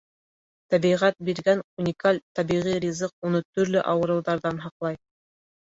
Тәбиғәт биргән уникаль тәбиғи ризыҡ уны төрлө ауырыуҙарҙан һаҡлай.